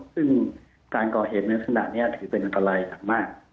ซึ่งการก่อเหตุในลักษณะนี้ถือเป็นอันตรายมาก